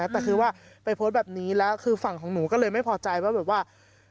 แต่คือว่าไปโพสต์แบบนี้แล้วคือฝั่งของหนูก็เลยไม่พอใจว่าแบบว่า